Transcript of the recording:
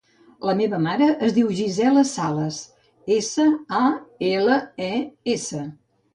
La meva mare es diu Gisela Sales: essa, a, ela, e, essa.